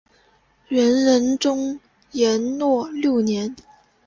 元仁宗延佑六年。